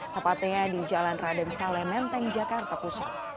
tepatnya di jalan raden saleh menteng jakarta pusat